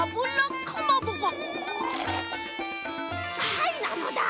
はいなのだ。